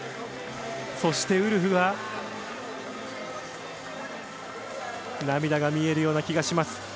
そしてウルフは涙が見えるような気がします。